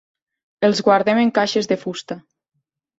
Els guardem en caixes de fusta.